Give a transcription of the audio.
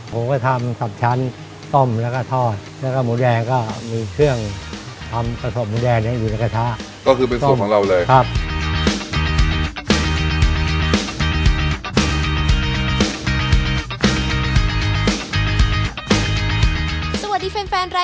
ผมก็ทำสับชั้นต้มแล้วก็ทอดแล้วก็หมูแดงก็มีเครื่องทำประสบหมูแดงอยู่ในกระชะ